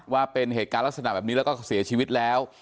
ว่าเป็นเหตุการณ์ลักษณะแบบนี้แล้วก็เสียชีวิตแล้ว